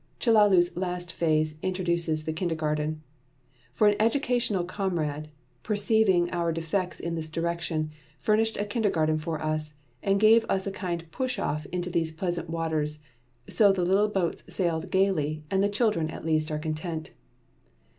Chellalu's latest phase introduces the kindergarten. For an educational comrade, perceiving our defects in this direction, furnished a kindergarten for us, and gave us a kind push off into these pleasant waters; so the little boat sails gaily, and the children at least are content.